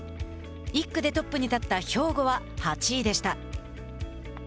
１区でトップに立った兵庫は８位でした。